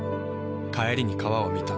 帰りに川を見た。